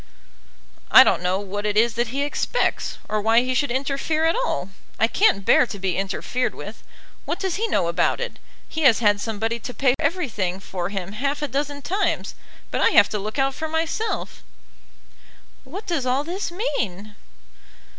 "I don't know what it is that he expects, or why he should interfere at all. I can't bear to be interfered with. What does he know about it? He has had somebody to pay everything for him half a dozen times, but I have to look out for myself." "What does all this mean?"